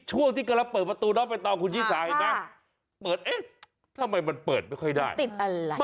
เห้ยนี่ไงครับเจ้าของบ้านเค้าเดินมาแล้ว